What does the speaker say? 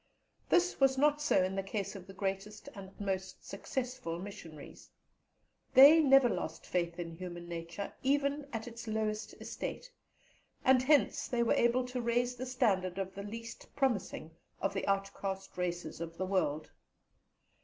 This was not so in the case of the greatest and most successful Missionaries. They never lost faith in human nature, even at its lowest estate, and hence they were able to raise the standard of the least promising of the outcast races of the world.